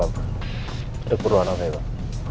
ada perubahan saya pak